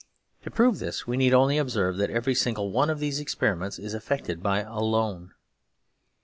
To prove this, we need only observe that every single one of these experiments is effected by a loan.